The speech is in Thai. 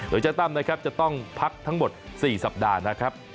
โดยเจ้าตั้มนะครับจะต้องพักทั้งหมด๔สัปดาห์นะครับ